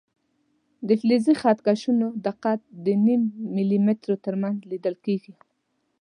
د فلزي خط کشونو دقت د نیم ملي مترو تر منځ لیدل کېږي.